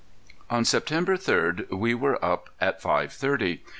On September third we were up at five thirty.